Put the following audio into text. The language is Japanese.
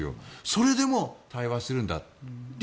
それでも対話するんだと。